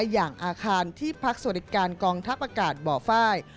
อย่างอาคารที่พักสวัสดิการกองทัพอากาศบ่อไฟ